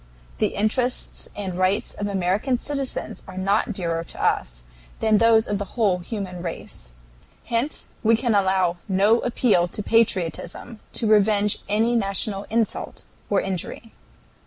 The interests and rights of American citizens are not dearer to us than those of the whole human race. Hence we can allow no appeal to patriotism to revenge any national insult or injury...